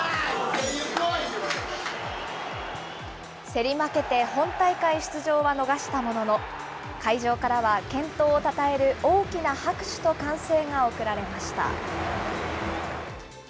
競り負けて本大会出場は逃したものの、会場からは健闘をたたえる大きな拍手と歓声が送られました。